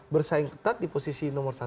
bersaing ketat di posisi nomor satu